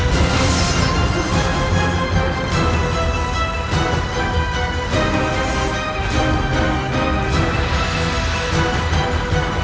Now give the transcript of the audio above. dan saya meletakkan tentara tentara dari lumu